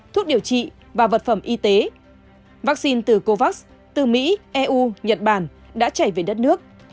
thuốc điều trị và vật phẩm y tế vaccine từ covax từ mỹ eu nhật bản đã chảy về đất nước